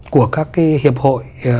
của các cái hiệp hội